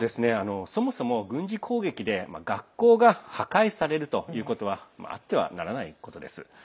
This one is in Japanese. そもそも軍事攻撃で学校が破壊されるということはあってはならないことです。